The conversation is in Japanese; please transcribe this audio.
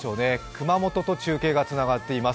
熊本と中継がつながっています。